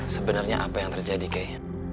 sebenernya apa yang terjadi kei